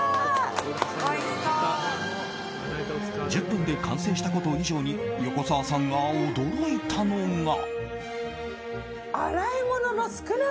１０分で完成したこと以上に横澤さんが驚いたのが。